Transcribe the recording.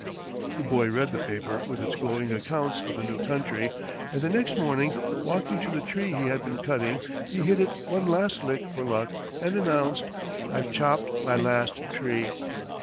The boy read the paper with its glowing accounts of the new country, and the next morning, walking to the tree he had been cutting he hit it one last lick for luck, and announced, "I've chopped my last tree."